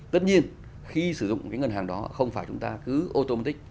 tất nhiên khi sử dụng cái ngân hàng đó không phải chúng ta cứ automatic